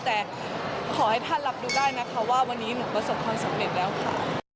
แต่ขอให้ท่านรับดูได้นะคะว่าวันนี้หนูประสบความสำเร็จแล้วค่ะ